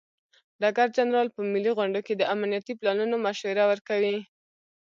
ډګر جنرال په ملي غونډو کې د امنیتي پلانونو مشوره ورکوي.